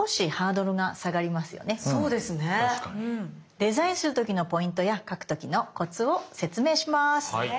デザインする時のポイントや描く時のコツを説明します。